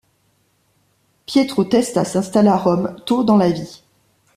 Pietro Testa s'installe à Rome tôt dans la vie.